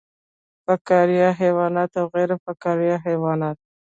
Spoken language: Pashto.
فقاریه حیوانات او غیر فقاریه حیوانات